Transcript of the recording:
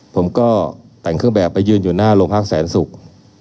ผมก็แต่งเครื่องแบบไปยืนอยู่หน้าโรงพักแสนศุกร์